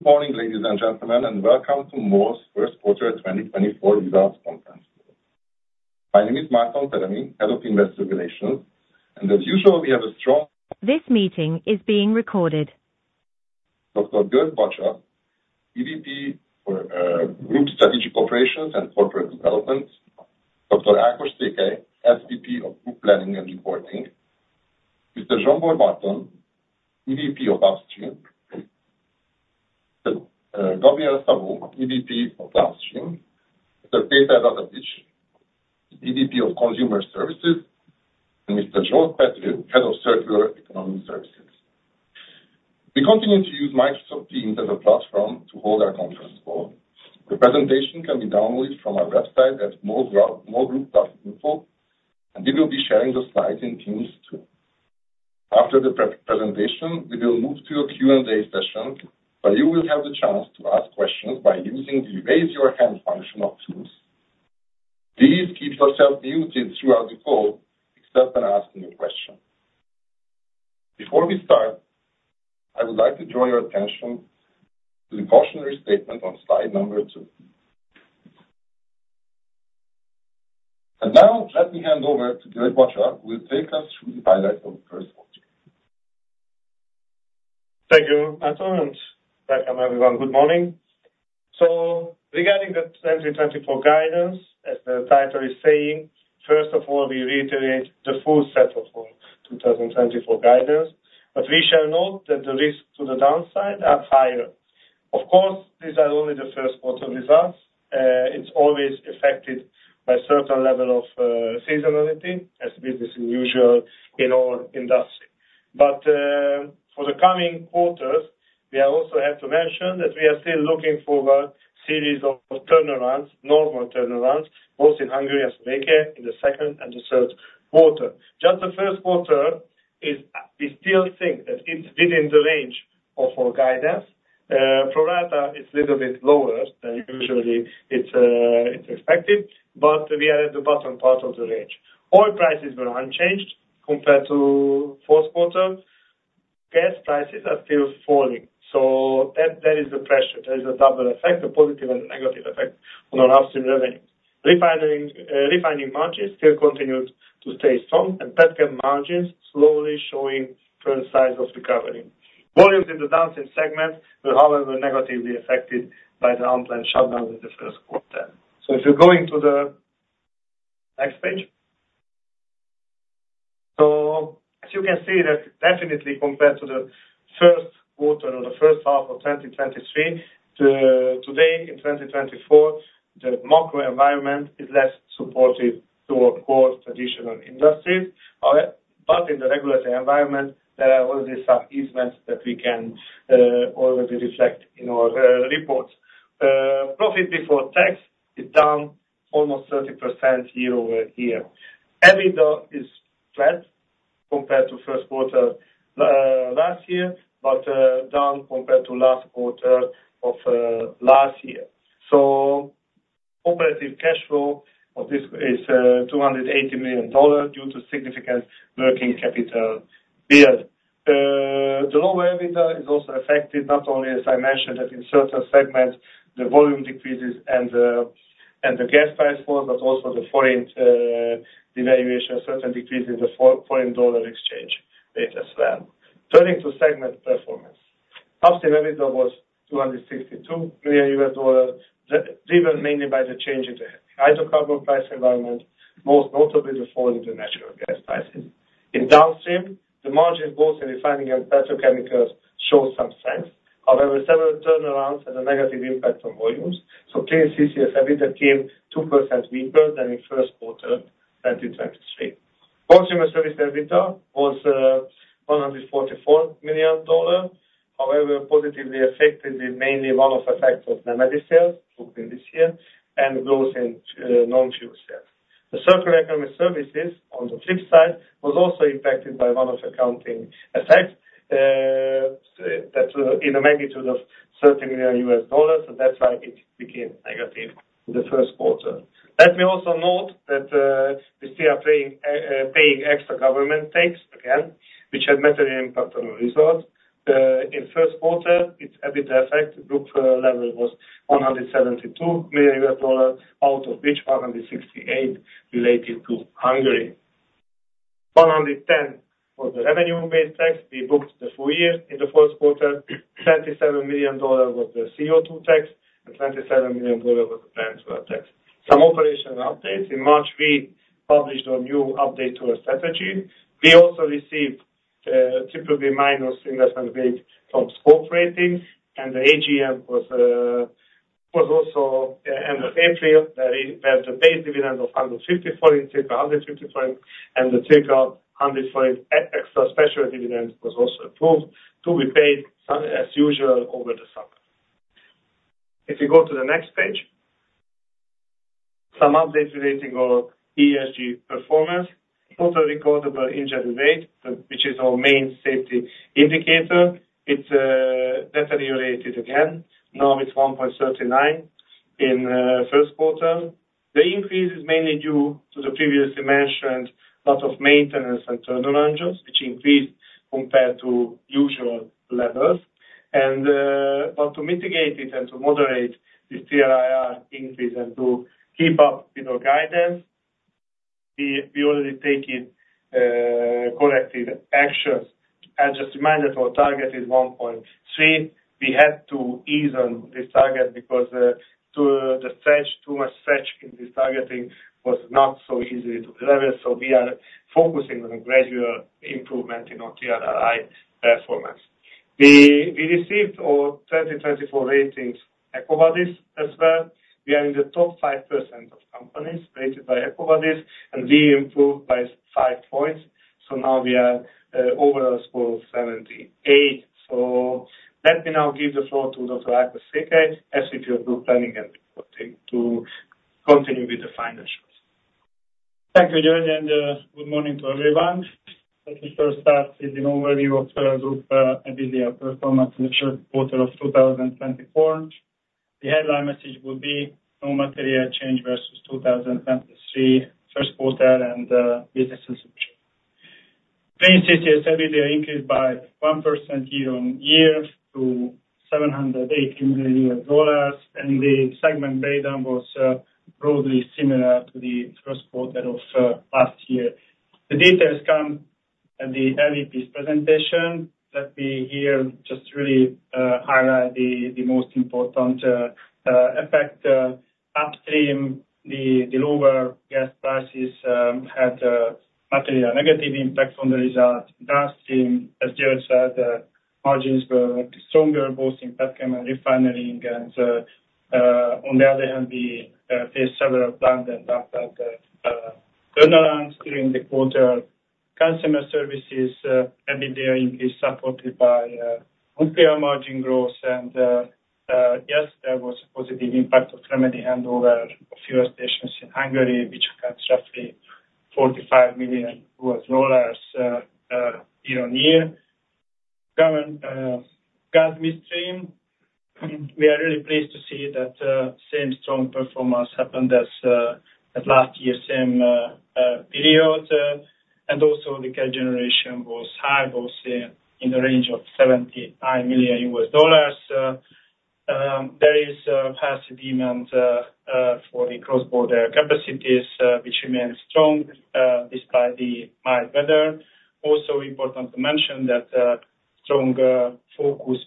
Good morning, ladies and gentlemen, and welcome to MOL's First Quarter 2024 Results Conference. My name is Márton Teremi, head of investor relations, and as usual we have a strong. This meeting is being recorded. Dr. György Bacsa, EVP for, Group Strategic Operations and Corporate Development; Dr. Ákos Székely, SVP of Group Planning and Reporting; Mr. Zsombor Marton, EVP of Upstream; Mr. Gabriel Szabó, EVP of Downstream; Mr. Péter Ratatics, EVP of Consumer Services; and Mr. Zsolt Pethő, head of Circular Economy Services. We continue to use Microsoft Teams as a platform to hold our conference call. The presentation can be downloaded from our website at molgroup.info, and we will be sharing the slides in Teams too. After the pre-presentation, we will move to a Q&A session, where you will have the chance to ask questions by using the Raise Your Hand function of tools. Please keep yourself muted throughout the call except when asking a question. Before we start, I would like to draw your attention to the cautionary statement on slide number two. Now let me hand over to György Bacsa, who will take us through the highlights of the first quarter. Thank you, Márton, and welcome, everyone. Good morning. So regarding the 2024 guidance, as the title is saying, first of all, we reiterate the full set of our 2024 guidance, but we shall note that the risks to the downside are higher. Of course, these are only the first quarter results. It's always affected by a certain level of seasonality, as business is usual in our industry. But for the coming quarters, we also have to mention that we are still looking forward to a series of turnarounds, normal turnarounds, both in Hungary and Slovakia in the second and the third quarter. Just the first quarter is, we still think that it's within the range of our guidance. Pro rata is a little bit lower than usually, it's expected, but we are at the bottom part of the range. Oil prices were unchanged compared to fourth quarter. Gas prices are still falling, so that, that is the pressure. There is a double effect, a positive and a negative effect, on our upstream revenue. Refining margins still continued to stay strong, and petchem margins slowly showing signs of recovery. Volumes in the downstream segment were, however, negatively affected by the unplanned shutdown in the first quarter. So if you're going to the next page. So as you can see, that definitely, compared to the first quarter or the first half of 2023, to, today in 2024, the macro environment is less supportive to our core traditional industries. However, but in the regulatory environment, there are already some easements that we can, already reflect in our, reports. Profit before tax is down almost 30% year-over-year. EBITDA is flat compared to first quarter, last year, but, down compared to last quarter of, last year. So operative cash flow of this is $280 million due to significant working capital build. The lower EBITDA is also affected, not only, as I mentioned, that in certain segments the volume decreases and the gas price falls, but also the foreign devaluation, a certain decrease in the foreign-dollar exchange rate as well. Turning to segment performance, upstream EBITDA was $262 million U.S. dollars, driven mainly by the change in the hydrocarbon price environment, most notably the fall in the natural gas prices. In downstream, the margins, both in refining and petrochemicals, showed some strength. However, several turnarounds had a negative impact on volumes, so clean CCS EBITDA came 2% weaker than in first quarter 2023. Consumer Services EBITDA was $144 million. However, positively affected is mainly one of the factors: remedy sales, booked in this year, and gross in non-fuel sales. The circular economy services, on the flip side, was also impacted by one of the accounting effects, that, in a magnitude of $30 million, and that's why it became negative in the first quarter. Let me also note that, we still are paying extra government tax again, which had a material impact on our results. In first quarter, its EBITDA effect, the group level, was $172 million, out of which $168 million related to Hungary. $110 million was the revenue-based tax we booked the full year in the fourth quarter. $27 million was the CO2 tax, and $27 million was the windfall tax. Some operational updates. In March, we published our new update to our strategy. We also received a BBB- investment grade from Scope Rating, and the AGM was also end of April, where the base dividend of 150, circa 150, and the circa 100 extra special dividend was also approved to be paid, as usual, over the summer. If you go to the next page. Some updates relating to our ESG performance. Total recordable injury rate, which is our main safety indicator, it's deteriorated again. Now it's 1.39 in first quarter. The increase is mainly due to the previously mentioned lot of maintenance and turnaround jobs, which increased compared to usual levels. But to mitigate it and to moderate this TRIR increase and to keep up with our guidance, we already take corrective actions. I'll just remind that our target is 1.3. We had to ease on this target because to the stretch, too much stretch in this targeting was not so easy to level, so we are focusing on a gradual improvement in our TLRI performance. We received our 2024 ratings EcoVadis as well. We are in the top 5% of companies rated by EcoVadis, and we improved by 5 points. So now we are overall score of 78. So let me now give the floor to Dr. Ákos Székely, SVP of Group Planning and Reporting, to continue with the financials. Thank you, György, and good morning to everyone. Let me first start with an overview of Group EBITDA performance in the first quarter of 2024. The headline message would be: No material change versus 2023 first quarter and business as usual. Clean CCS EBITDA increased by 1% year-on-year to $780 million, and the segment breakdown was broadly similar to the first quarter of last year. The details come at the LEP's presentation. Let me here just really highlight the most important effect. Upstream, the lower gas prices had material negative impact on the results. Downstream, as György said, the margins were stronger, both in petchem and refinery, and on the other hand, we faced several plant and downstream turnarounds during the quarter. Consumer services EBITDA increase supported by non-fuel margin growth, and yes, there was a positive impact of remedy handover of fuel stations in Hungary, which accounts roughly $45 million year-on-year. Gas midstream, we are really pleased to see that same strong performance happened as at last year same period. And also the gas generation was high, both in the range of $79 million. There is passive demand for the cross-border capacities, which remains strong despite the mild weather. Also important to mention that strong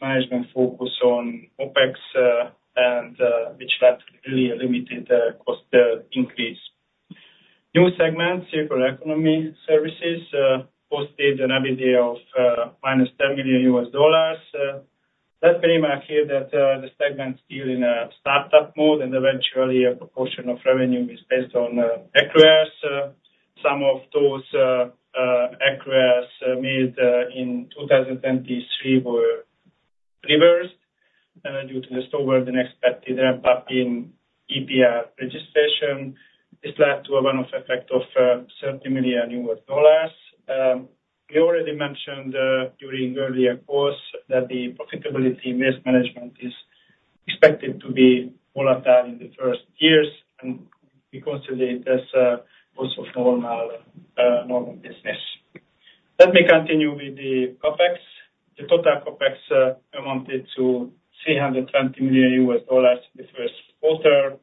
management focus on OPEX, which led to really a limited cost increase. New segment, circular economy services, posted an EBITDA of -$10 million. Let me remark here that the segment's still in a startup mode, and eventually a proportion of revenue is based on acquisitions. Some of those acquirers made in 2023 were reversed due to the slower than and expected ramp-up in EPR registration. This led to a run-off effect of $30 million. We already mentioned during earlier calls that the profitability and risk management is expected to be volatile in the first years, and we consider it as also normal, normal business. Let me continue with the CAPEX. The total CAPEX amounted to $320 million in the first quarter.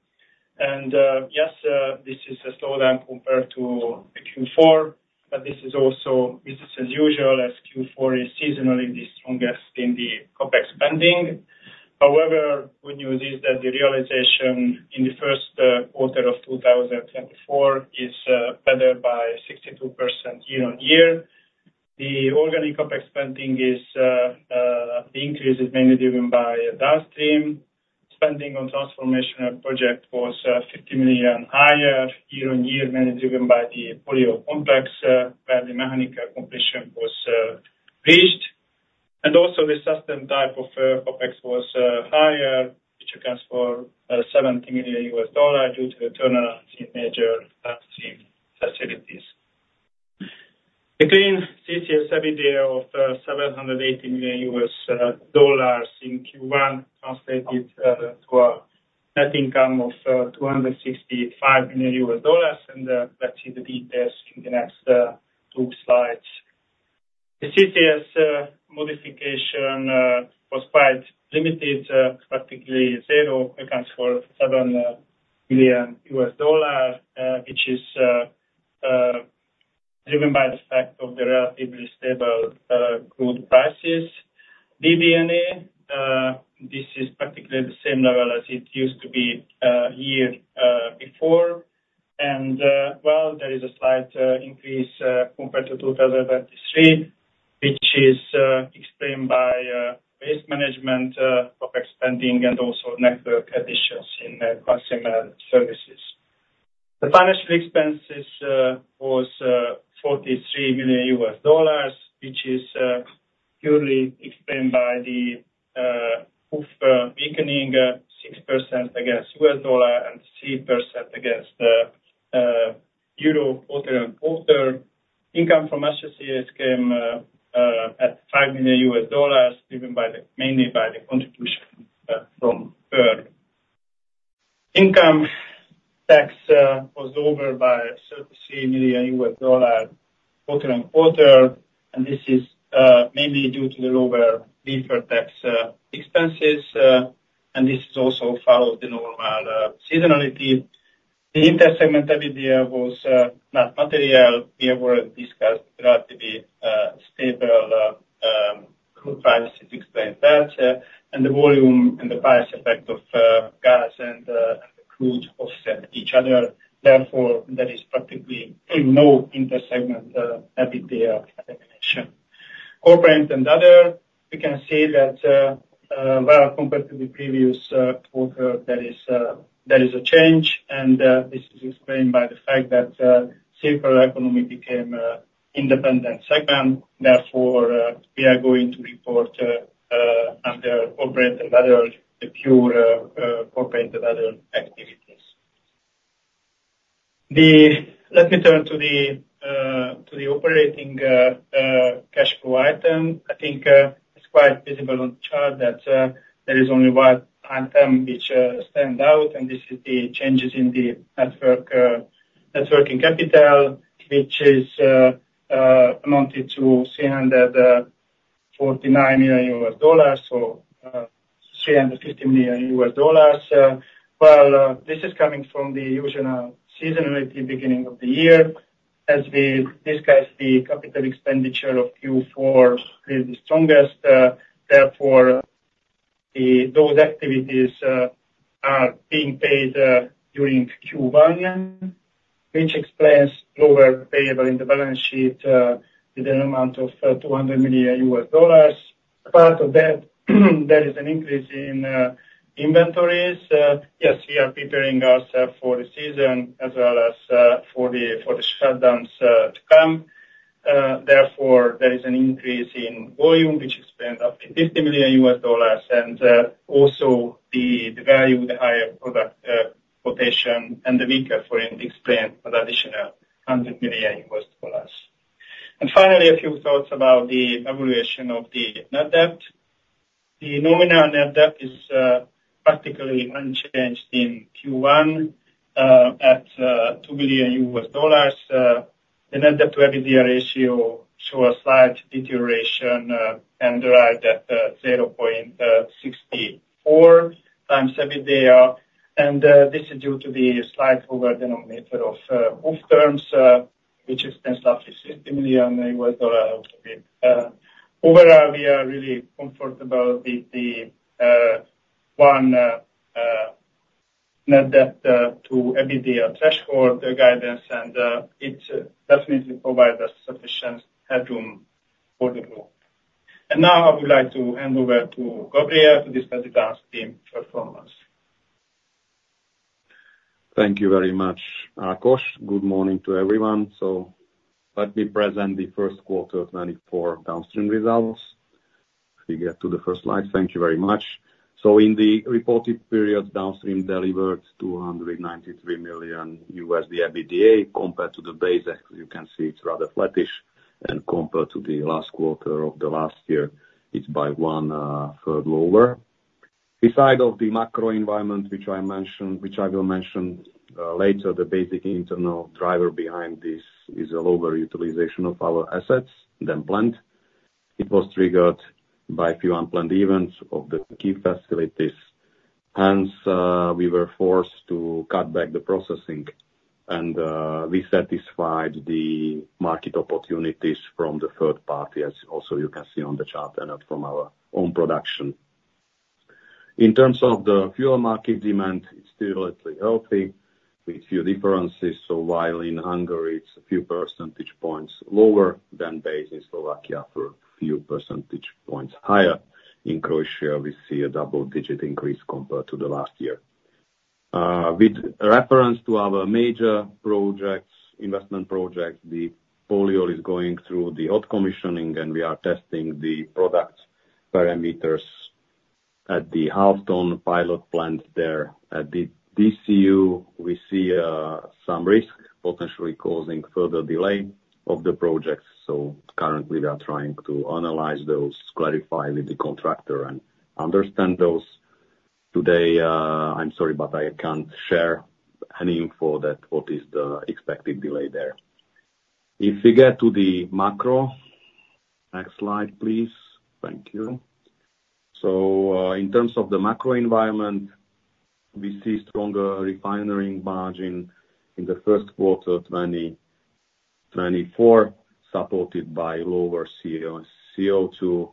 And, yes, this is a slowdown compared to Q4, but this is also business as usual, as Q4 is seasonally the strongest in the CAPEX spending. However, good news is that the realization in the first quarter of 2024 is better by 62% year-over-year. The organic CAPEX spending is, the increase is mainly driven by downstream. Spending on transformational projects was $50 million higher year-over-year, mainly driven by the Polyol Complex, where the mechanical completion was reached. The sustained type of CAPEX was higher, which accounts for $70 million due to the turnarounds in major downstream facilities. The clean CCS EBITDA of $780 million in Q1 translated to a net income of $265 million, and let's see the details in the next two slides. The CCS modification was quite limited, practically zero, accounts for $7 million, which is driven by the fact of the relatively stable crude prices.D&A this is practically at the same level as it used to be year before. Well, there is a slight increase compared to 2023, which is explained by waste management CAPEX spending, and also network additions in consumer services. The financial expenses was $43 million, which is purely explained by the forint weakening 6% against the U.S. dollar and 3% against the euro quarter-on-quarter. Income from SCS came at $5 million, driven mainly by the contribution from ERP. Income tax was lower by $33 million quarter-on-quarter, and this is mainly due to the lower deferred tax expenses, and this is also followed by normal seasonality. The intersegment EBITDA was not material. We have already discussed relatively stable crude prices explained that, and the volume and the price effect of gas and the crude offset each other. Therefore, there is practically no intersegment EBITDA elimination. Corporate and other, we can see that well, compared to the previous quarter, there is a change, and this is explained by the fact that circular economy became independent segment. Therefore, we are going to report under operator-level the pure corporate-level activities. Let me turn to the operating cash flow item. I think it's quite visible on the chart that there is only one item which stands out, and this is the changes in the net working capital, which amounted to $349 million, so $350 million. Well, this is coming from the usual seasonality beginning of the year. As we discussed, the capital expenditure of Q4 is the strongest. Therefore, those activities are being paid during Q1, which explains lower payables in the balance sheet with an amount of $200 million. Apart from that, there is an increase in inventories. Yes, we are preparing ourselves for the season as well as for the shutdowns to come. Therefore, there is an increase in volume, which explains up to $50 million, and also the value, the higher product quotation and the weaker forint explains an additional $100 million. Finally, a few thoughts about the evaluation of the net debt. The nominal net debt is practically unchanged in Q1, at $2 billion. The net debt to EBITDA ratio shows a slight deterioration, and derived at 0.64 x EBITDA, and this is due to the slight over-denominator of FX terms, which explains roughly $50 million out of it. Overall, we are really comfortable with our net debt to EBITDA threshold guidance, and it definitely provides us sufficient headroom for the group. Now I would like to hand over to Gabriel to discuss the downstream performance. Thank you very much, Ákos. Good morning to everyone. So let me present the first quarter 2024 downstream results. If we get to the first slide, thank you very much. So in the reported period, downstream delivered $293 million EBITDA compared to the base, as you can see, it's rather flattish, and compared to the last quarter of the last year, it's by 1/3 lower. Besides the macro environment, which I mentioned, which I will mention later, the basic internal driver behind this is a lower utilization of our assets than planned. It was triggered by a few unplanned events of the key facilities. Hence, we were forced to cut back the processing, and we satisfied the market opportunities from the third party, as also you can see on the chart, and not from our own production. In terms of the fuel market demand, it's still relatively healthy with few differences. So while in Hungary, it's a few percentage points lower than base in Slovakia for a few percentage points higher. In Croatia, we see a double-digit increase compared to the last year. With reference to our major projects, investment projects, the polyol is going through the hot commissioning, and we are testing the product parameters at the Halfton pilot plant there at the DCU. We see some risk potentially causing further delay of the projects. So currently, we are trying to analyze those, clarify with the contractor, and understand those. Today, I'm sorry, but I can't share any info that what is the expected delay there. If we get to the macro next slide, please. Thank you. So, in terms of the macro environment, we see stronger refining margin in the first quarter 2024, supported by lower CO2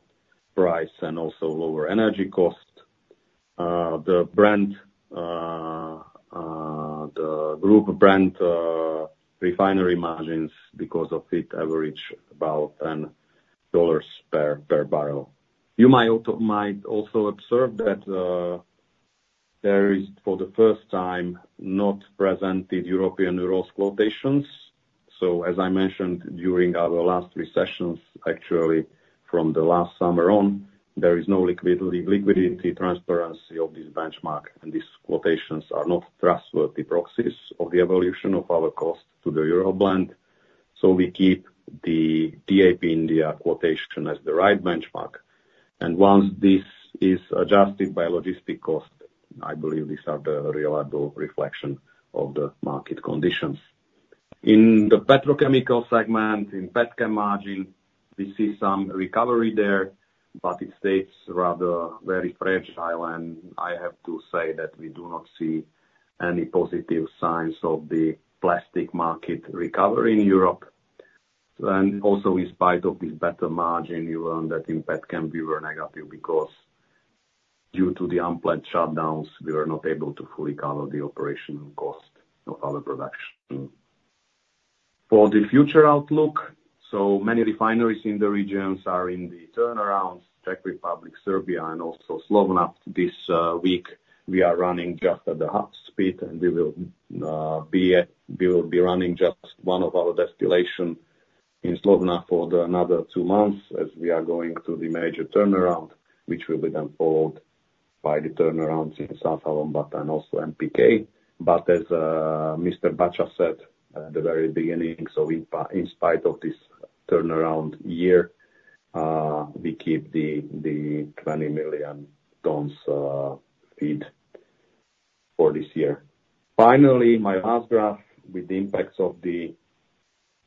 price and also lower energy cost. The Group brand refinery margins, because of it, average about $10 per barrel. You might also observe that there is, for the first time, not presented European Euro quotations. So as I mentioned during our last three sessions, actually, from the last summer on, there is no liquidity, transparency of this benchmark, and these quotations are not trustworthy proxies of the evolution of our cost to the Euro blend. So we keep the DAP India quotation as the right benchmark. And once this is adjusted by logistic cost, I believe these are the reliable reflection of the market conditions. In the petrochemical segment, in petchem margin, we see some recovery there, but it stays rather very fragile, and I have to say that we do not see any positive signs of the plastic market recovery in Europe. Also in spite of this better margin, you learn that in petchem, we were negative because due to the unplanned shutdowns, we were not able to fully cover the operational cost of our production. For the future outlook, so many refineries in the regions are in the turnaround: Czech Republic, Serbia, and also Slovenia this week. We are running just at the highest speed, and we will be running just one of our distillations in Slovenia for another two months as we are going through the major turnaround, which will be then followed by the turnarounds in Százhalombatta and also MPC. But as, Mr. Bacsa said at the very beginning, so in spite of this turnaround year, we keep the 20 million tons feed for this year. Finally, my last graph with the impacts of the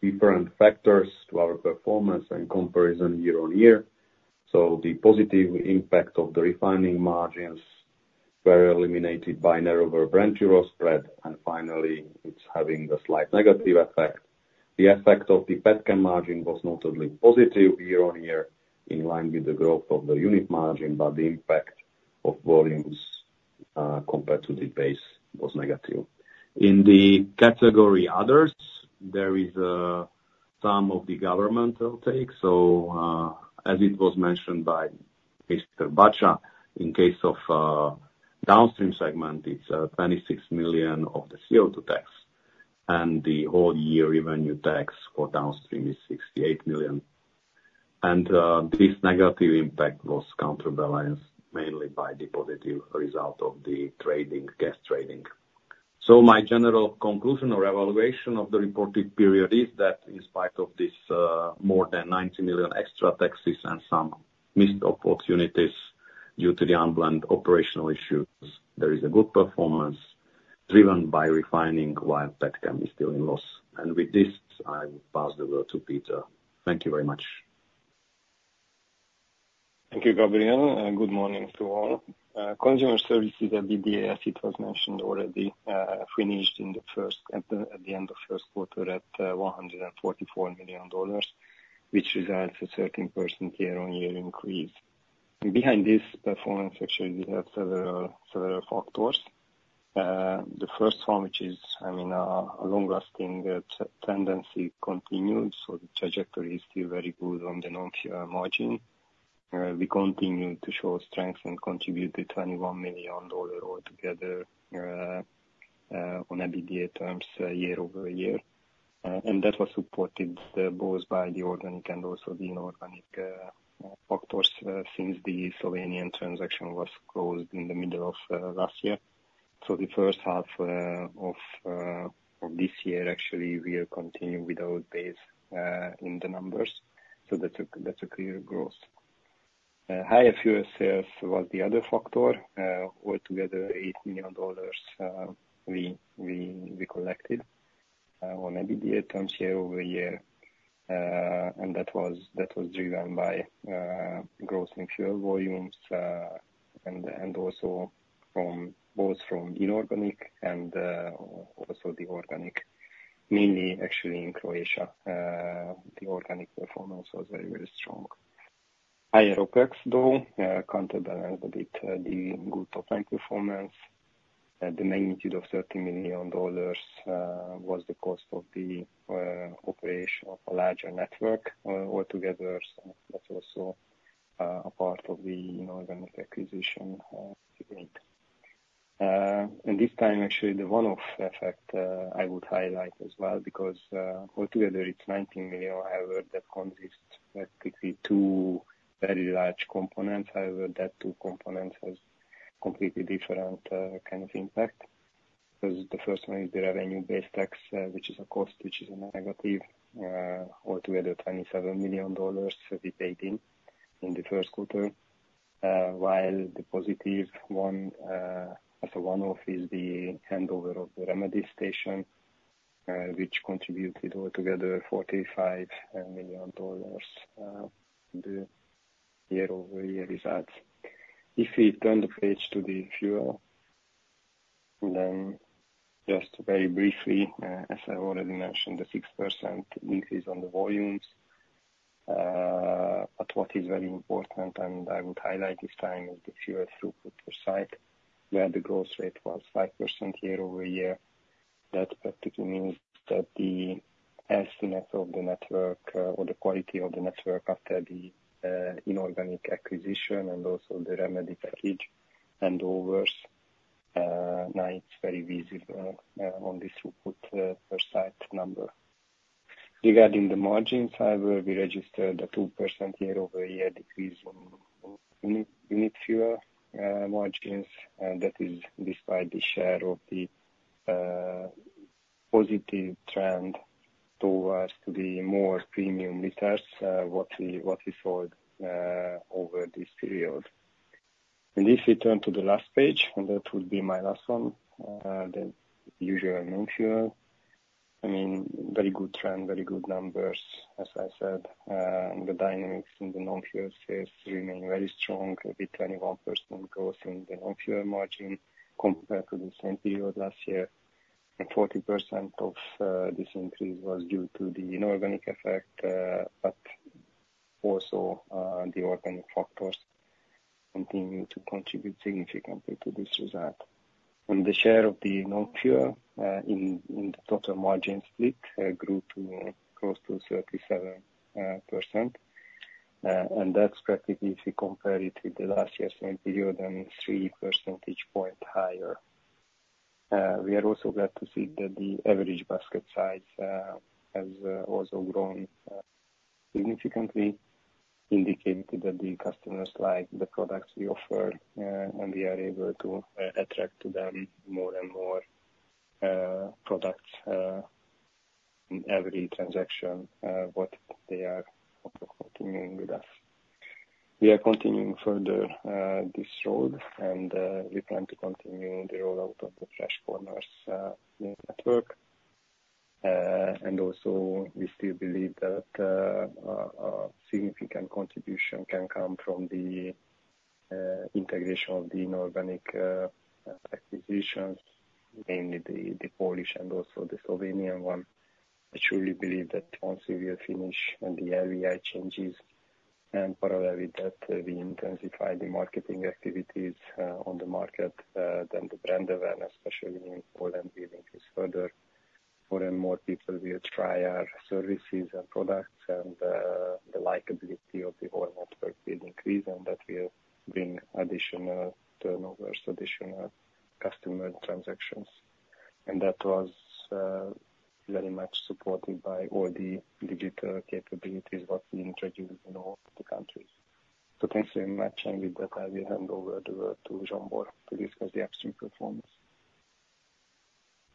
different factors to our performance and comparison year-on-year. So the positive impact of the refining margins were eliminated by narrower Brent euro spread, and finally, it's having a slight negative effect. The effect of the petchem margin was notably positive year-on-year in line with the growth of the unit margin, but the impact of volumes, compared to the base was negative. In the category others, there is some of the government outtakes. So, as it was mentioned by Mr. Bacsa, in case of downstream segment, it's $26 million of the CO2 tax, and the whole year revenue tax for downstream is $68 million. This negative impact was counterbalanced mainly by the positive result of the trading, gas trading. My general conclusion or evaluation of the reported period is that in spite of this, more than $90 million extra taxes and some missed opportunities due to the unplanned operational issues, there is a good performance driven by refining while petchem is still in loss. With this, I will pass the word to Peter. Thank you very much. Thank you, Gabriel. Good morning to all. Consumer services at BDA, as it was mentioned already, finished in the first at the end of first quarter at $144 million, which results in a 13% year-on-year increase. Behind this performance, actually, we have several factors. The first one, which is, I mean, a long-lasting tendency continued, so the trajectory is still very good on the non-fuel margin. We continue to show strength and contribute the $21 million altogether, on EBITDA terms year-over-year. And that was supported both by the organic and also the inorganic factors since the Slovenian transaction was closed in the middle of last year. So the first half of this year, actually, we will continue without base in the numbers. So that's a clear growth. Higher fuel sales was the other factor. Altogether, $8 million we collected on EBITDA terms year-over-year. And that was driven by growth in fuel volumes, and also from both inorganic and organic, mainly actually in Croatia. The organic performance was very, very strong. Higher OPEX, though, counterbalanced a bit the good top-line performance. The magnitude of $30 million was the cost of the operation of a larger network altogether, so that's also a part of the inorganic acquisition gain. And this time, actually, the one-off effect I would highlight as well because altogether it's $90 million. However, that consists practically of two very large components. However, that two components have completely different kind of impact because the first one is the revenue-based tax, which is a cost, which is a negative, altogether $27 million we paid in in the first quarter, while the positive one, as a one-off, is the handover of the remedy station, which contributed altogether $45 million, in the year-over-year results. If we turn the page to the fuel, then just very briefly, as I already mentioned, the 6% increase on the volumes. But what is very important and I would highlight this time is the fuel throughput per site, where the growth rate was 5% year-over-year. That practically means that the healthiness of the network or the quality of the network after the inorganic acquisition and also the remedy package handovers, now it's very visible on the throughput per site number. Regarding the margins, however, we registered a 2% year-over-year decrease in unit fuel margins. That is despite the share of the positive trend towards the more premium liters what we saw over this period. And if we turn to the last page, and that would be my last one, the usual non-fuel, I mean, very good trend, very good numbers, as I said, and the dynamics in the non-fuel sales remain very strong, with 21% growth in the non-fuel margin compared to the same period last year. And 40% of this increase was due to the inorganic effect, but also, the organic factors continue to contribute significantly to this result. And the share of the non-fuel in the total margin split grew to close to 37%, and that's practically, if we compare it with the last year's same period, then 3 percentage points higher. We are also glad to see that the average basket size has also grown significantly, indicating that the customers like the products we offer, and we are able to attract to them more and more products in every transaction, what they are continuing with us. We are continuing further this road, and we plan to continue the rollout of the Fresh Corners in the network. Also, we still believe that a significant contribution can come from the integration of the inorganic acquisitions, mainly the Polish and also the Slovenian one. I truly believe that once we will finish and the VI changes, and parallel with that, we intensify the marketing activities on the market, then the brand awareness, especially in Poland, will increase further. More and more people will try our services and products, and the likability of the whole network will increase, and that will bring additional turnovers, additional customer transactions. That was very much supported by all the digital capabilities what we introduced in all the countries. Thanks very much, and with that, I will hand over the word to Zsombor to discuss the upstream performance.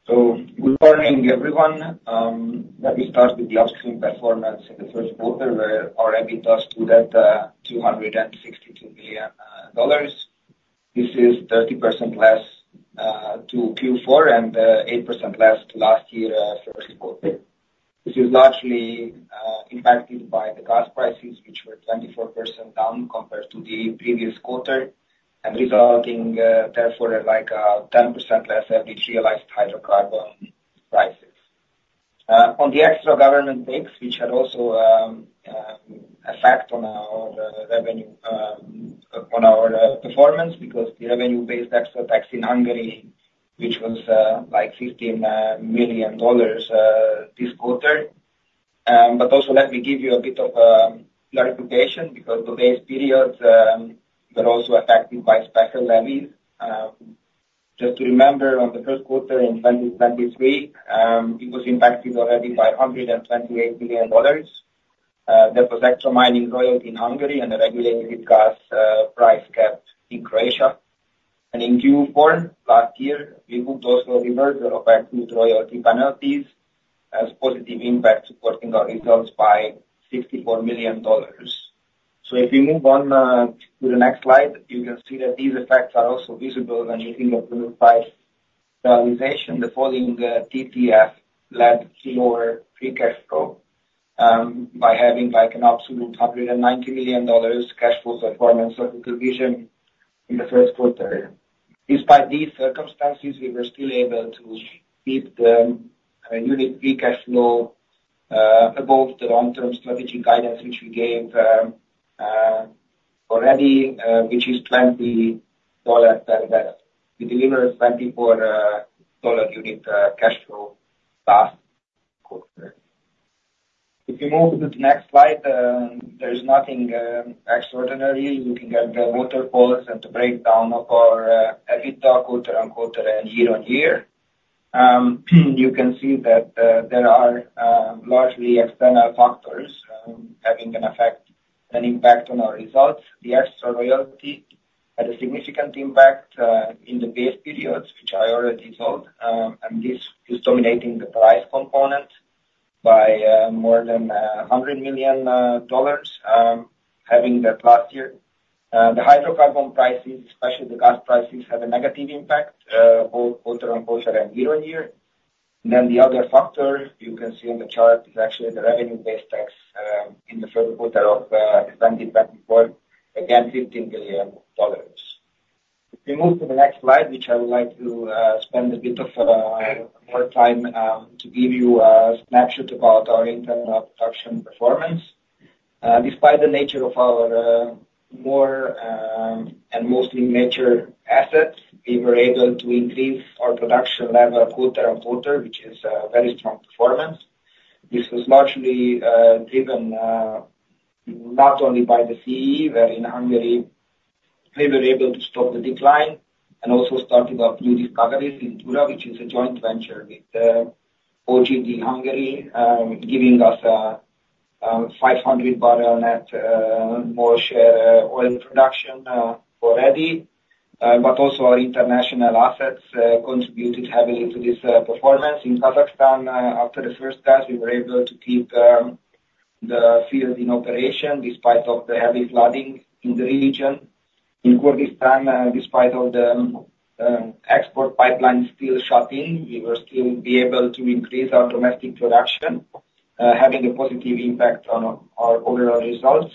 So good morning, everyone. Let me start with the upstream performance in the first quarter, where our EBITDA stood at $262 million. This is 30% less than Q4 and 8% less than last year first quarter. This is largely impacted by the gas prices, which were 24% down compared to the previous quarter, and resulting therefore at like a 10% less average realized hydrocarbon prices. On the extra government takes, which had also an effect on our revenue on our performance because the revenue-based extra tax in Hungary, which was like $15 million this quarter. But also, let me give you a bit of clarification because the base periods were also affected by special levies. Just to remember, on the first quarter in 2023, it was impacted already by $128 million. That was extra mining royalty in Hungary, and the regulated gas price cap in Croatia. In Q4 last year, we booked also a reversal of our crude royalty penalties as a positive impact supporting our results by $64 million. So if we move on to the next slide, you can see that these effects are also visible when you think of the new price realization. The falling TTF led to lower free cash flow by having an absolute $190 million cash flow performance of the division in the first quarter. Despite these circumstances, we were still able to keep the unit free cash flow above the long-term strategic guidance which we gave already, which is $20 per unit. We delivered $24 unit cash flow last quarter. If you move to the next slide, there is nothing extraordinary. You can get the waterfalls and the breakdown of our EBITDA quarter-on-quarter and year-on-year. You can see that there are largely external factors having an effect and impact on our results. The extra royalty had a significant impact in the base periods, which I already told, and this is dominating the price component by more than $100 million having that last year. The hydrocarbon prices, especially the gas prices, have a negative impact both quarter-on-quarter and year-on-year. Then the other factor you can see on the chart is actually the revenue-based tax in the first quarter of 2024, again, $15 million. If we move to the next slide, which I would like to spend a bit of more time to give you a snapshot about our internal production performance. Despite the nature of our more and mostly mature assets, we were able to increase our production level quarter-on-quarter, which is a very strong performance. This was largely driven not only by the CEE, where in Hungary, we were able to stop the decline and also started up new discoveries in Tura, which is a joint venture with OGD Hungary, giving us a 500-barrel net more share oil production already. But also, our international assets contributed heavily to this performance. In Kazakhstan, after the first gas, we were able to keep the field in operation despite the heavy flooding in the region. In Kurdistan, despite the export pipelines still shutting, we were still able to increase our domestic production, having a positive impact on our overall results.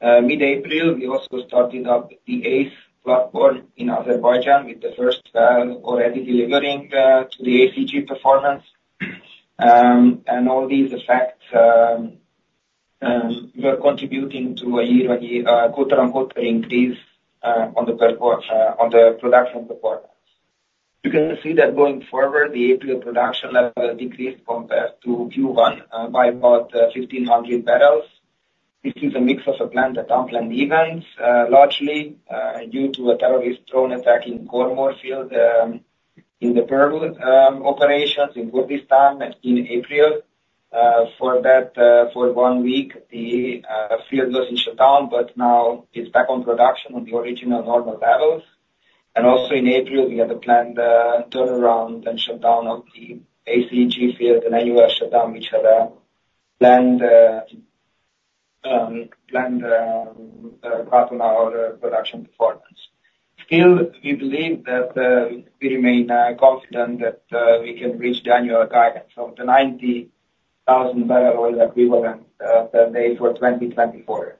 Mid-April, we also started up the ACE platform in Azerbaijan with the first valve already delivering to the ACG performance. And all these effects were contributing to a year-on-year, quarter-on-quarter increase on the production performance. You can see that going forward, the April production level decreased compared to Q1 by about 1,500 barrels. This is a mix of planned and unplanned events, largely due to a terrorist drone attack in Khor Mor field in the Pearl operations in Kurdistan in April. For that, for one week, the field was in shutdown, but now it's back on production on the original normal levels. And also in April, we had a planned turnaround and shutdown of the ACG field, an annual shutdown, which had a planned cut on our production performance. Still, we believe that we can reach the annual guidance of the 90,000 barrel oil equivalent per day for 2024.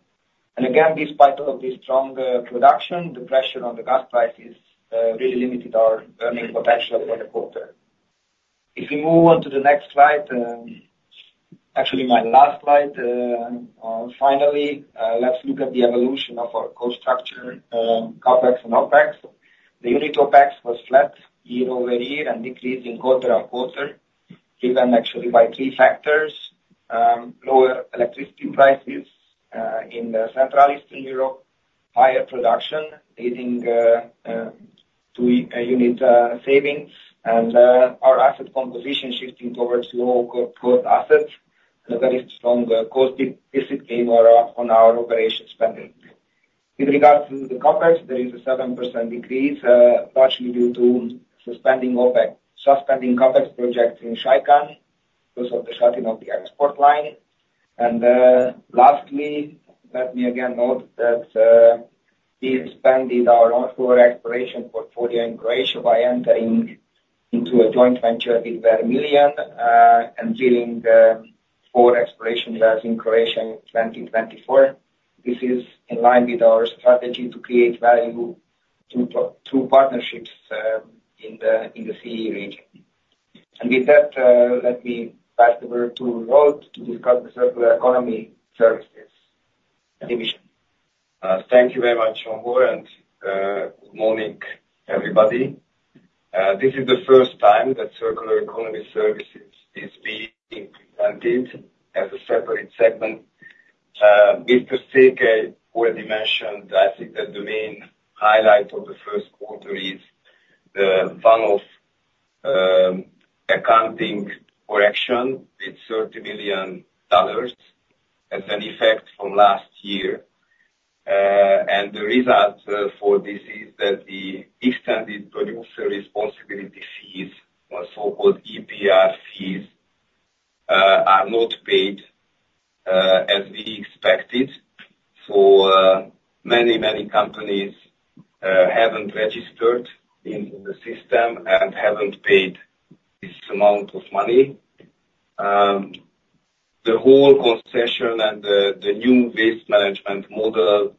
And again, despite all of this strong production, the pressure on the gas prices really limited our earning potential for the quarter. If we move on to the next slide, actually my last slide, finally, let's look at the evolution of our cost structure, CAPEX and OPEX. The unit OPEX was flat year-over-year and decreased quarter-on-quarter, driven actually by three factors: lower electricity prices in Central Eastern Europe, higher production leading to unit savings, and our asset composition shifting towards low-cost assets, and a very strong cost deficit came on our operation spending. With regard to the CAPEX, there is a 7% decrease, largely due to suspending OPEX projects in Shaikan because of the shutting of the export line. And lastly, let me again note that we expanded our own foreign exploration portfolio in Croatia by entering into a joint venture with Vermilion and dealing foreign exploration investments in Croatia in 2024. This is in line with our strategy to create value through partnerships in the CEE region. With that, let me pass the word to Zsolt to discuss the Circular Economy Services division. Thank you very much, Zsombor, and good morning, everybody. This is the first time that Circular Economy Services is being presented as a separate segment. Mr. Székely already mentioned, I think, that the main highlight of the first quarter is the one-off accounting correction with $30 million as an effect from last year. The result for this is that the Extended Producer Responsibility fees, or so-called EPR fees, are not paid as we expected. So many, many companies haven't registered into the system and haven't paid this amount of money. The whole concession and the new waste management model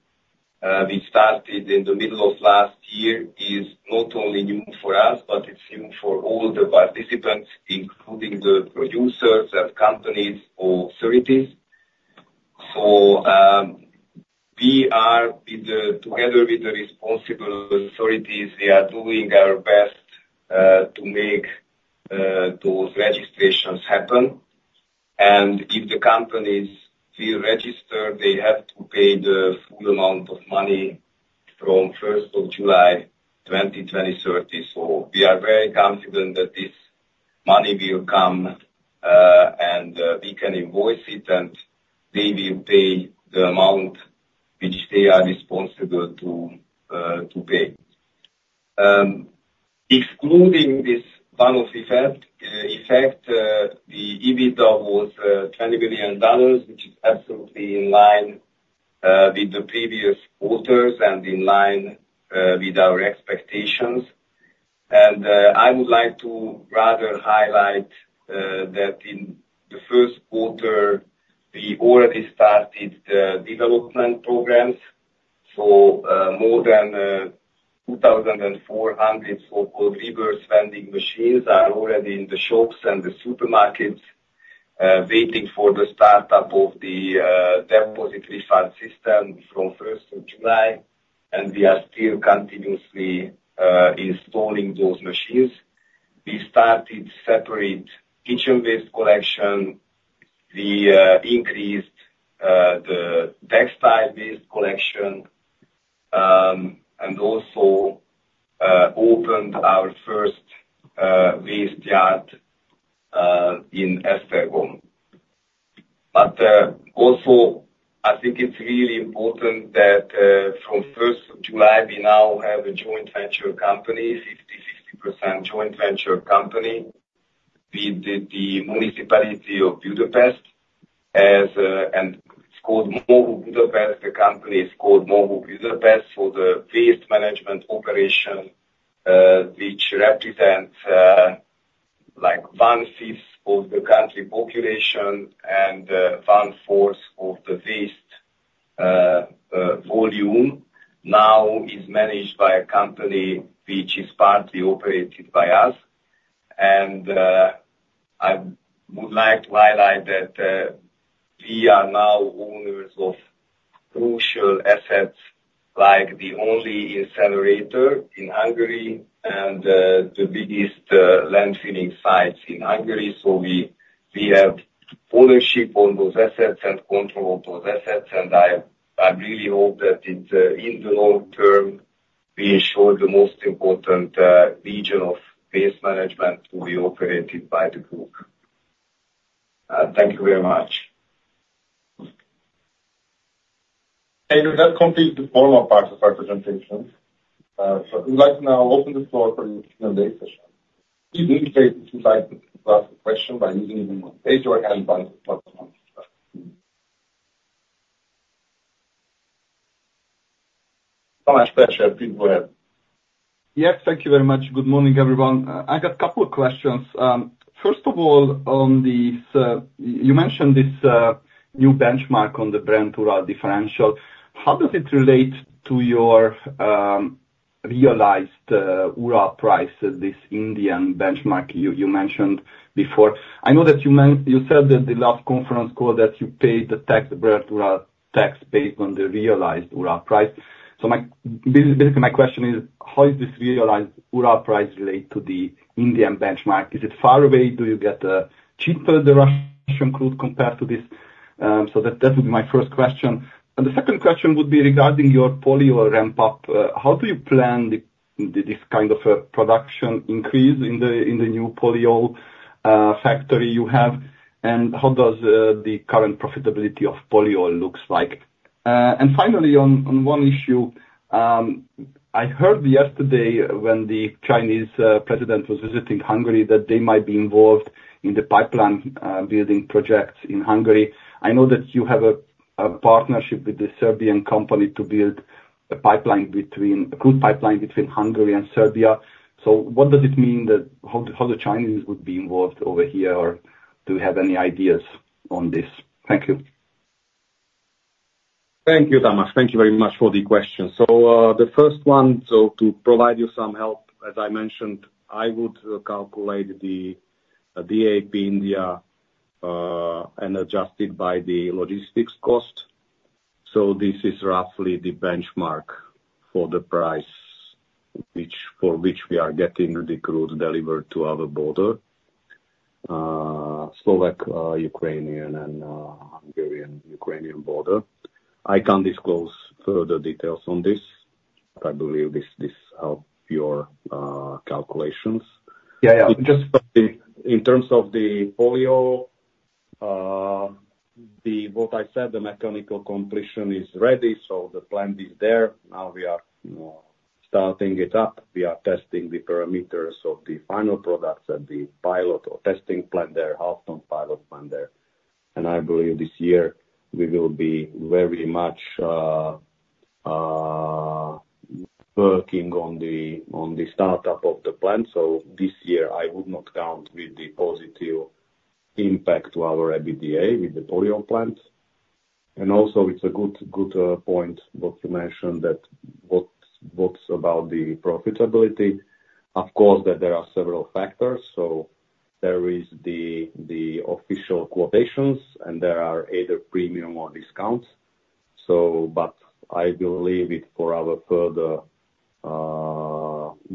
we started in the middle of last year is not only new for us, but it's new for all the participants, including the producers and companies or authorities. So together with the responsible authorities, we are doing our best to make those registrations happen. If the companies feel registered, they have to pay the full amount of money from 1st of July 2023. We are very confident that this money will come and we can invoice it, and they will pay the amount which they are responsible to pay. Excluding this one-off effect, the EBITDA was $20 million, which is absolutely in line with the previous quarters and in line with our expectations. I would like to rather highlight that in the first quarter, we already started the development programs. More than 2,400 so-called reverse vending machines are already in the shops and the supermarkets waiting for the startup of the deposit refund system from 1st of July, and we are still continuously installing those machines. We started separate kitchen waste collection. We increased the textile waste collection and also opened our first waste yard in Esztergom. But also, I think it's really important that from 1st of July, we now have a joint venture company, 50/50 joint venture company with the municipality of Budapest. And it's called MOHU Budapest. The company is called MOHU Budapest for the waste management operation, which represents 1/5 of the country population and 1/4 of the waste volume, now is managed by a company which is partly operated by us. And I would like to highlight that we are now owners of crucial assets like the only incinerator in Hungary and the biggest landfilling sites in Hungary. So we have ownership on those assets and control of those assets. And I really hope that in the long term, we ensure the most important region of waste management will be operated by the group. Thank you very much. Hey, that completes the formal part of our presentation. I would like to now open the floor for the Q&A session. Please indicate if you'd like to ask a question by raising your hand button. Tamás, please share. Please go ahead. Yep. Thank you very much. Good morning, everyone. I got a couple of questions. First of all, you mentioned this new benchmark on the Brent-Urals differential. How does it relate to your realized Urals price, this Indian benchmark you mentioned before? I know that you said that the last conference call that you paid the Brent-Urals tax based on the realized Urals price. So basically, my question is, how does this realized Urals price relate to the Indian benchmark? Is it far away? Do you get cheaper the Russian crude compared to this? So that would be my first question. And the second question would be regarding your polyol ramp-up. How do you plan this kind of production increase in the new polyol factory you have? And how does the current profitability of polyol look like? Finally, on one issue, I heard yesterday when the Chinese president was visiting Hungary that they might be involved in the pipeline building projects in Hungary. I know that you have a partnership with the Serbian company to build a crude pipeline between Hungary and Serbia. So what does it mean that how the Chinese would be involved over here? Or do you have any ideas on this? Thank you. Thank you, Tamás. Thank you very much for the question. So the first one, so to provide you some help, as I mentioned, I would calculate the DAP India and adjust it by the logistics cost. So this is roughly the benchmark for the price for which we are getting the crude delivered to our border, Slovak-Ukrainian and Hungarian-Ukrainian border. I can't disclose further details on this, but I believe this helps your calculations. But in terms of the polyol, what I said, the mechanical completion is ready. So the plant is there. Now we are starting it up. We are testing the parameters of the final products and the pilot or testing plant there, half-ton pilot plant there. And I believe this year, we will be very much working on the startup of the plant. So this year, I would not count with the positive impact to our EBITDA with the polyol plant. And also, it's a good point what you mentioned, what's about the profitability. Of course, that there are several factors. So there is the official quotations, and there are either premium or discounts. But I will leave it for our further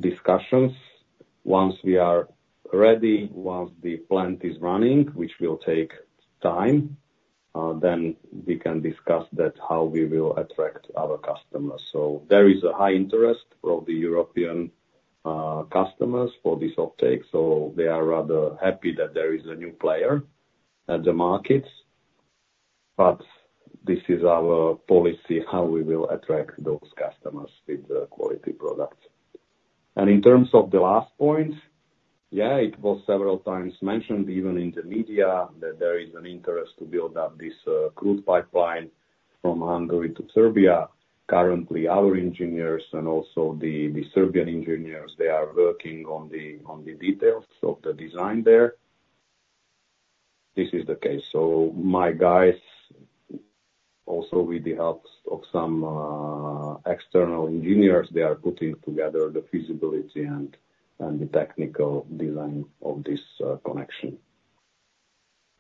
discussions. Once we are ready, once the plant is running, which will take time, then we can discuss how we will attract our customers. So there is a high interest from the European customers for this uptake. So they are rather happy that there is a new player at the markets. But this is our policy, how we will attract those customers with the quality products. In terms of the last point, yeah, it was several times mentioned even in the media that there is an interest to build up this crude pipeline from Hungary to Serbia. Currently, our engineers and also the Serbian engineers, they are working on the details of the design there. This is the case. My guys, also with the help of some external engineers, they are putting together the feasibility and the technical design of this connection.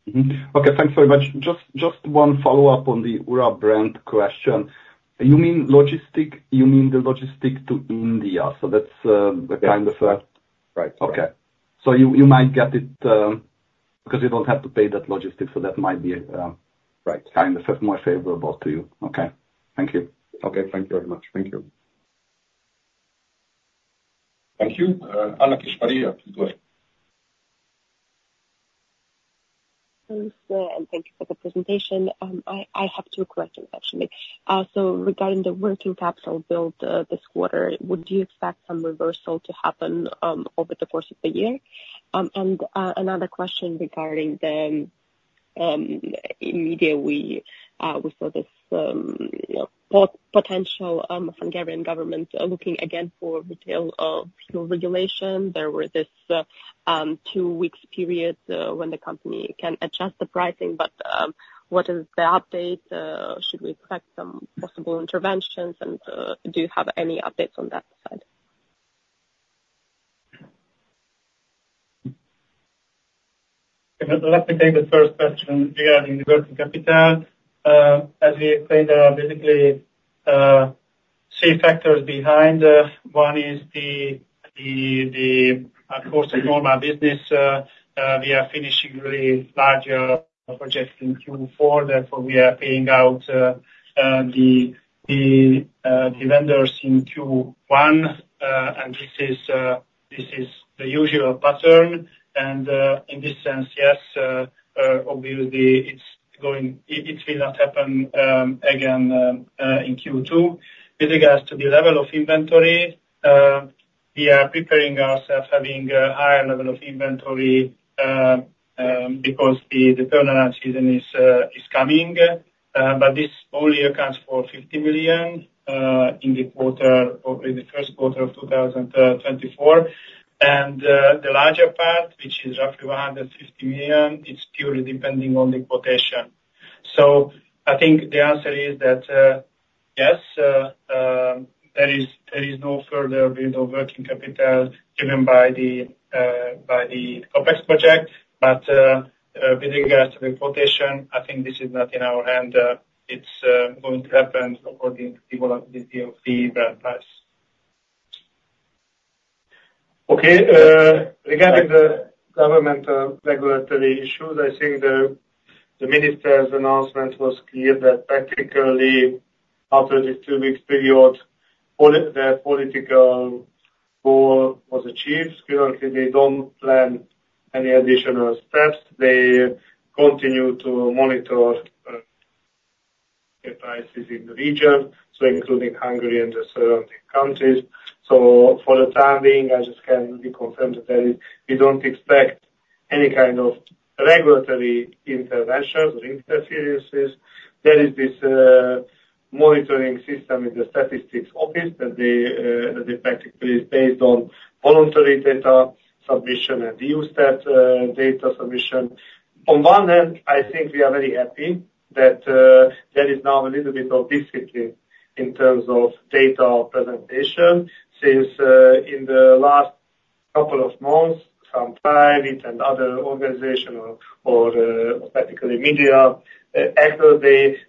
Okay. Thanks very much. Just one follow-up on the Urals Brent question. You mean logistics? You mean the logistics to India? So that's a kind of a. Right. Right. Okay. You might get it because you don't have to pay that logistics. That might be kind of more favorable to you. Okay. Thank you. Okay. Thank you very much. Thank you. Thank you. Anna Kishmariya, please go ahead. Thanks, and thank you for the presentation. I have two questions, actually. So regarding the working capital built this quarter, would you expect some reversal to happen over the course of the year? And another question regarding the media we saw this potential Hungarian government looking again for retail regulation. There were this two-week period when the company can adjust the pricing. But what is the update? Should we expect some possible interventions? And do you have any updates on that side? Let me take the first question regarding the working capital. As we explained, there are basically three factors behind. One is the course of normal business. We are finishing really larger projects in Q4. Therefore, we are paying out the vendors in Q1. This is the usual pattern. In this sense, yes, obviously, it will not happen again in Q2. With regards to the level of inventory, we are preparing ourselves for having a higher level of inventory because the turnaround season is coming. This only accounts for $50 million in the first quarter of 2024. The larger part, which is roughly $150 million, it's purely depending on the quotation. I think the answer is that yes, there is no further build of working capital given by the CAPEX project. With regards to the quotation, I think this is not in our hand. It's going to happen according to the volatility of the Brent price. Okay. Regarding the government regulatory issues, I think the minister's announcement was clear that practically, after this two-weeks period, their political goal was achieved. Currently, they don't plan any additional steps. They continue to monitor the prices in the region, so including Hungary and the surrounding countries. So for the time being, I just can reconfirm that we don't expect any kind of regulatory interventions or interferences. There is this monitoring system in the statistics office that practically is based on voluntary data submission and Eurostat data submission. On one hand, I think we are very happy that there is now a little bit of discipline in terms of data presentation since in the last couple of months, some private and other organizational or practically media actors,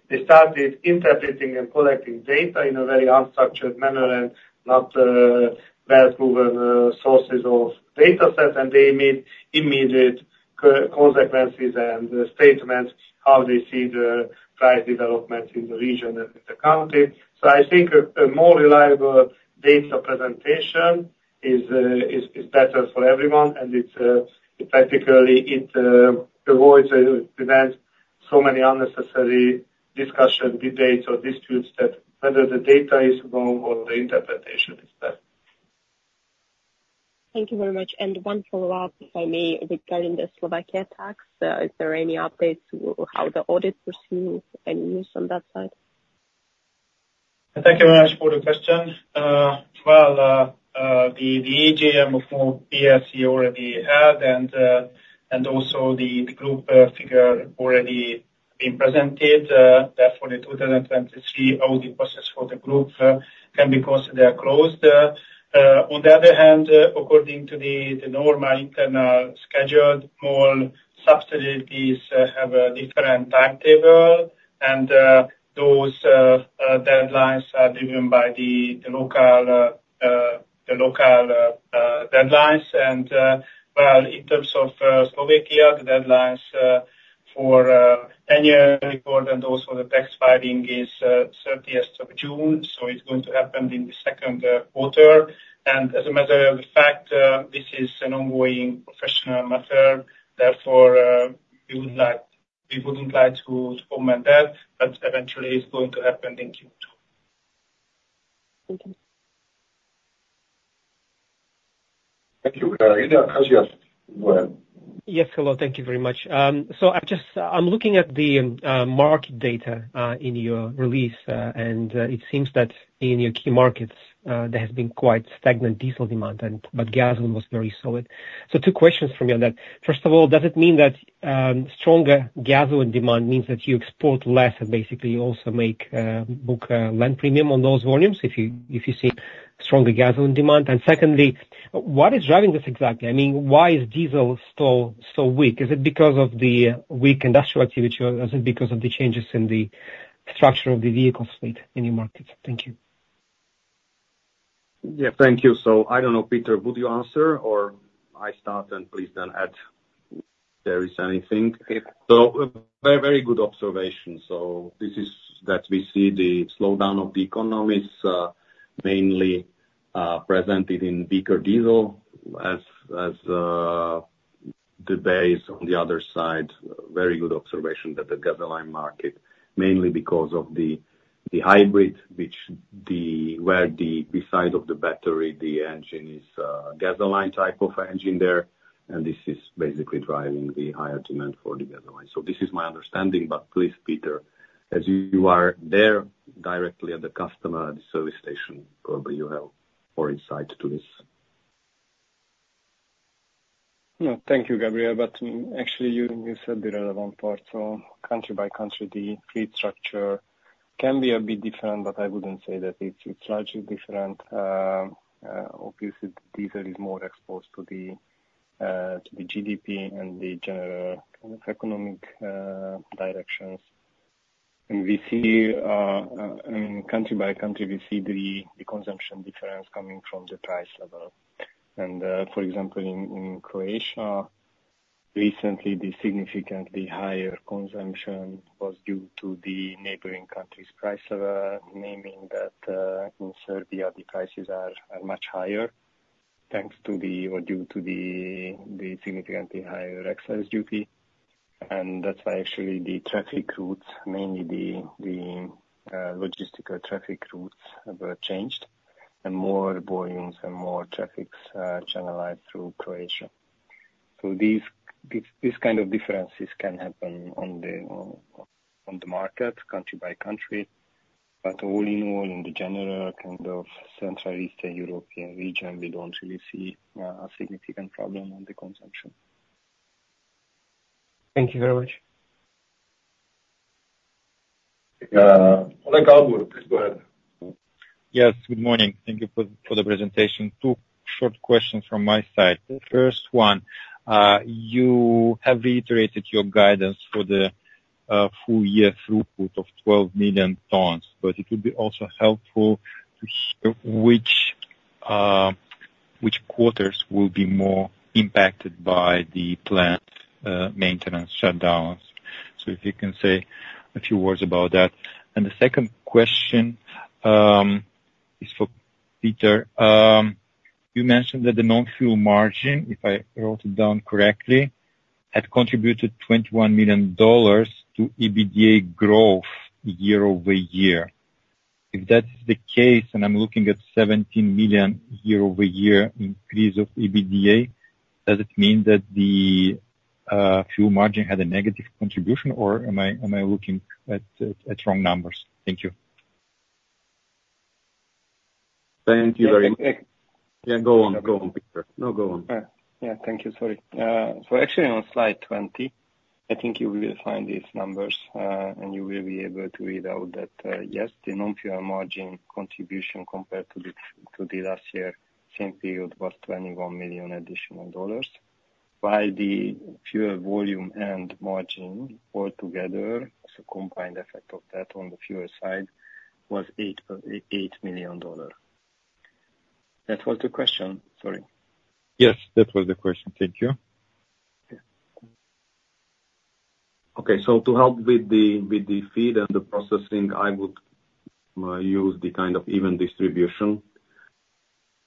they started interpreting and collecting data in a very unstructured manner and not well-proven sources of dataset. And they made immediate consequences and statements how they see the price developments in the region and in the country. So I think a more reliable data presentation is better for everyone. And practically, it avoids or prevents so many unnecessary discussions, debates, or disputes that whether the data is wrong or the interpretation is better. Thank you very much. And one follow-up, if I may, regarding the Slovakia tax. Is there any updates on how the audit proceeds? Any news on that side? Thank you very much for the question. Well, the AGM of MOL Plc you already had, and also the group figure already been presented. Therefore, the 2023 audit process for the group can be considered closed. On the other hand, according to the normal internal schedule, MOL subsidiaries have a different timetable. Those deadlines are driven by the local deadlines. Well, in terms of Slovakia, the deadlines for annual report and also the tax filing is 30th of June. So it's going to happen in the second quarter. And as a matter of fact, this is an ongoing professional matter. Therefore, we wouldn't like to comment that. But eventually, it's going to happen in Q2. Thank you. Thank you. Ilya Kiselev, please go ahead. Yes. Hello. Thank you very much. I'm looking at the market data in your release. It seems that in your key markets, there has been quite stagnant diesel demand, but gasoline was very solid. Two questions from you on that. First of all, does it mean that stronger gasoline demand means that you export less and basically also book land premium on those volumes if you see stronger gasoline demand? And secondly, what is driving this exactly? I mean, why is diesel so weak? Is it because of the weak industrial activity or is it because of the changes in the structure of the vehicle fleet in your markets? Thank you. Yeah. Thank you. So, I don't know, Peter, would you answer or I start and please then add if there is anything? So, very good observation. So, that we see the slowdown of the economy is mainly presented in weaker diesel as the base on the other side. Very good observation that the gasoline market, mainly because of the hybrid, where beside the battery, the engine is a gasoline type of engine there. And this is basically driving the higher demand for the gasoline. So, this is my understanding. But please, Peter, as you are there directly at the customer service station, probably you have more insight to this. Yeah. Thank you, Gabriel. But actually, you said the relevant part. So country by country, the fleet structure can be a bit different, but I wouldn't say that it's largely different. Obviously, diesel is more exposed to the GDP and the general kind of economic directions. And I mean, country by country, we see the consumption difference coming from the price level. And for example, in Croatia, recently, the significantly higher consumption was due to the neighboring country's price level, meaning that in Serbia, the prices are much higher thanks to the or due to the significantly higher excise duty. And that's why actually the traffic routes, mainly the logistical traffic routes, were changed and more volumes and more traffics channelized through Croatia. So these kind of differences can happen on the markets country by country. All in all, in the general kind of Central-Eastern European region, we don't really see a significant problem on the consumption. Thank you very much. Oleg Galbur, please go ahead. Yes. Good morning. Thank you for the presentation. Two short questions from my side. The first one, you have reiterated your guidance for the full-year throughput of 12 million tons. But it would be also helpful to hear which quarters will be more impacted by the plant maintenance shutdowns. So if you can say a few words about that. And the second question is for Péter. You mentioned that the non-fuel margin, if I wrote it down correctly, had contributed $21 million to EBITDA growth year-over-year. If that is the case, and I'm looking at a $17 million year-over-year increase of EBITDA, does it mean that the fuel margin had a negative contribution, or am I looking at wrong numbers? Thank you. Thank you very much. Yeah. Go on. Go on, Peter. No, go on. Yeah. Thank you. Sorry. So actually, on slide 20, I think you will find these numbers. You will be able to read out that yes, the non-fuel margin contribution compared to the last year, same period, was $21 million additional. While the fuel volume and margin altogether, so combined effect of that on the fuel side, was $8 million. That was the question. Sorry. Yes. That was the question. Thank you. Okay. So to help with the feed and the processing, I would use the kind of even distribution.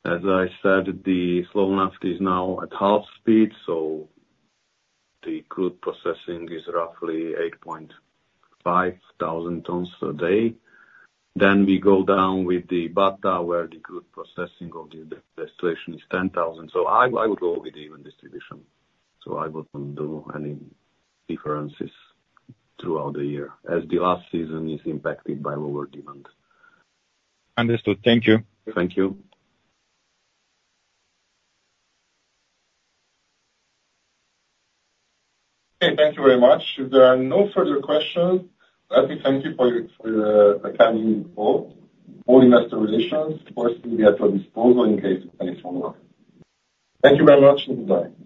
As I said, the Slovnaft is now at half speed. So the crude processing is roughly 8,500 tons a day. Then we go down with the Százhalombatta, where the crude processing of the distillation is 10,000. So I would go with the even distribution. So I wouldn't do any differences throughout the year as the last season is impacted by lower demand. Understood. Thank you. Thank you. Okay. Thank you very much. If there are no further questions, let me thank you for your attending the call. MOL Investor Relations, of course, will be at your disposal in case of any follow-up. Thank you very much, and goodbye.